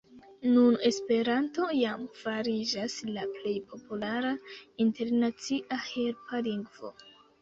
Nun Esperanto jam fariĝas la plej populara internacia helpa lingvo.